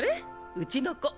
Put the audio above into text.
うちの子。